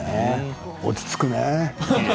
落ち着くね。